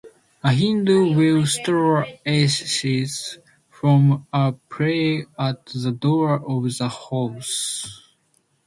A Hindu will strew ashes from a pyre at the door of the house.